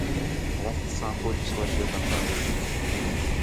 وخت ساں کُج سوچے بندہ